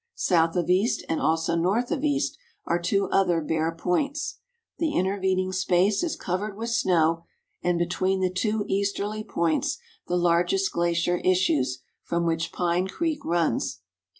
South ofeast and also north of east are two other bare points ; the intervening space is covered with snow, and between the two easterly points the largest glacier issues, from which Pine creek runs.